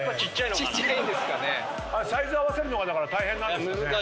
サイズ合わせるのがだから大変なんですかね。